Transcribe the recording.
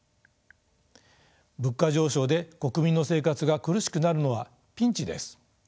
物価上昇で国民の生活が苦しくなるのはピンチです。